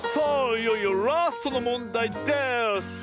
いよいよラストのもんだいです！